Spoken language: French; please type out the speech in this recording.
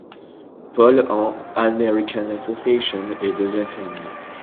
Paul en American Association et devient fermier.